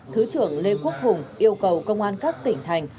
thứ trưởng lê quốc hùng yêu cầu công an các tỉnh thành